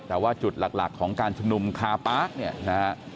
แต่ว่าจุดหลักของการชุมนุมคาปาร์ก